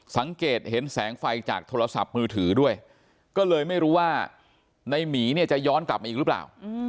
สังเกตเห็นแสงไฟจากโทรศัพท์มือถือด้วยก็เลยไม่รู้ว่าในหมีเนี่ยจะย้อนกลับมาอีกหรือเปล่า